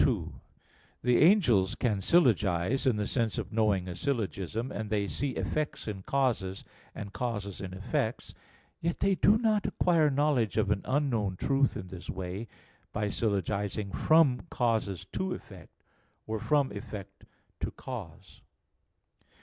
2: The angels can syllogize, in the sense of knowing a syllogism; and they see effects in causes, and causes in effects: yet they do not acquire knowledge of an unknown truth in this way, by syllogizing from causes to effect, or from effect to cause.